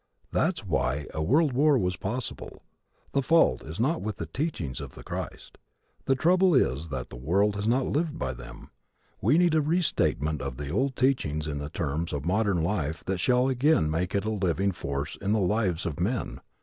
That's why a world war was possible. The fault is not with the teachings of the Christ. The trouble is that the world has not lived by them. We need a restatement of the old teachings in the terms of modern life that shall again make it a living force in the lives of men.